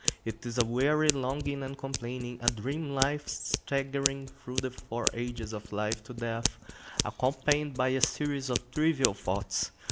It is a weary longing and complaining, a dream like staggering through the four ages of life to death, accompanied by a series of trivial thoughts.